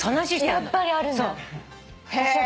やっぱりあるんだ。